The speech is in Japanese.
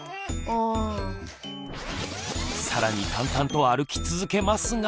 更に淡々と歩き続けますが。